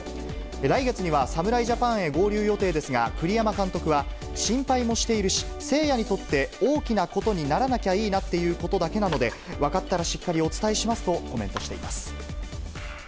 来月には侍ジャパンへ合流予定ですが、栗山監督は、心配もしているし、誠也にとって大きなことにならなきゃいいなっていうことだけなので、分かったらしっかりお伝えしますと、コメントしています。